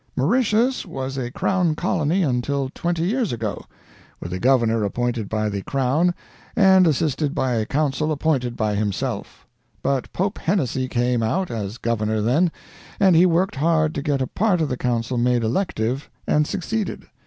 "Mauritius was a crown colony until 20 years ago, with a governor appointed by the Crown and assisted by a Council appointed by himself; but Pope Hennessey came out as Governor then, and he worked hard to get a part of the council made elective, and succeeded.